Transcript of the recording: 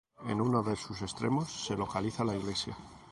En uno de sus extremos se localiza la iglesia.